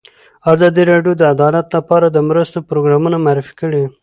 ازادي راډیو د عدالت لپاره د مرستو پروګرامونه معرفي کړي.